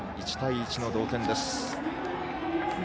１対１の同点です。